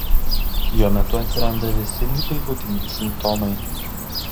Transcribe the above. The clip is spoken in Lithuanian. Jo metu atsiranda visi ligai būdingi simptomai.